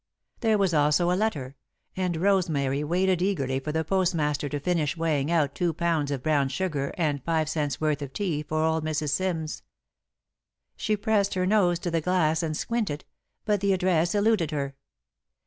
There was also a letter, and Rosemary waited eagerly for the postmaster to finish weighing out two pounds of brown sugar and five cents' worth of tea for old Mrs. Simms. She pressed her nose to the glass, and squinted, but the address eluded her.